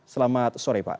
selamat sore pak